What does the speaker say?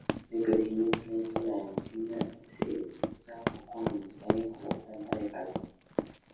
De crecimiento lento, la encina se usa poco en España como planta de jardín.